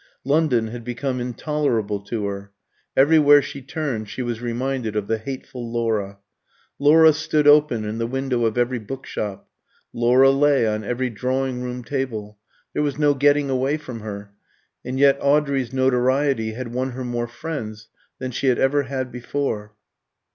London had become intolerable to her. Everywhere she turned she was reminded of the hateful Laura. Laura stood open in the window of every book shop; Laura lay on every drawing room table; there was no getting away from her. And yet Audrey's notoriety had won her more friends than she had ever had before.